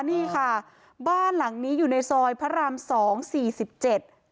นี่ค่ะบ้านหลังนี้อยู่ในซอยพระรามสองสี่สิบเจ็ด